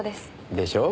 でしょう？